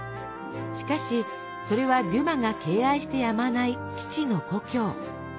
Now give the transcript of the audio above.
しかしそれはデュマが敬愛してやまない父の故郷。